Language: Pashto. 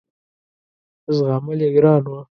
زغمل یې ګران وه.